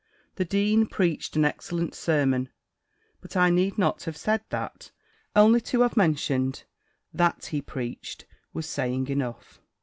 The dean preached an excellent sermon; but I need not have said that; only to have mentioned, that he preached, was saying enough.